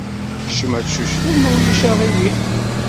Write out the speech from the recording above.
Kcem ad teccucfeḍ, ma ulac aɣilif.